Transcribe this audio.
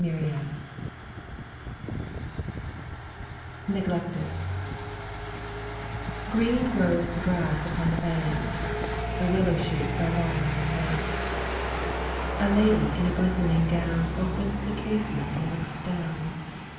13 NEGLECTED Green grows the grass upon the bank, The willow shoots are long and lank; A lady in a glistening gown Opens the casement and looks down.